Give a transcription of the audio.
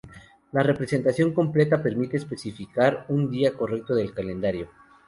La representación completa permite especificar un día concreto del calendario.